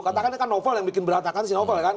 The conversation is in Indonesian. katanya kan novel yang bikin berantakan sih novel kan